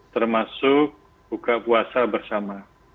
termasuk buka puasa bersama